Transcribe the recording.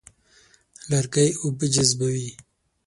لرګی اوبه جذبوي.